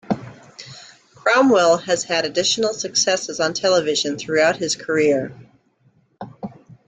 Cromwell has had additional successes on television throughout his career.